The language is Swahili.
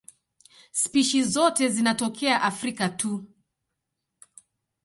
Spishi zote zinatokea Afrika tu.